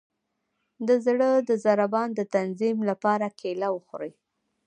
د زړه د ضربان د تنظیم لپاره کیله وخورئ